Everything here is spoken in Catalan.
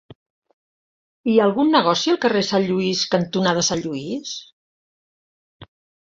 Hi ha algun negoci al carrer Sant Lluís cantonada Sant Lluís?